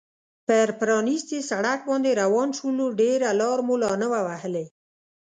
پر پرانیستي سړک باندې روان شولو، ډېره لار مو لا نه وه وهلې.